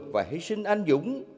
và hữu sinh anh dũng